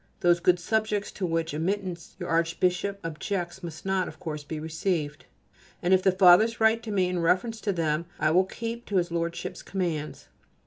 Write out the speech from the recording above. Those good subjects to whose admittance your Archbishop objects must not, of course, be received, and if the Fathers write to me in reference to them I will keep to his Lordship's commands.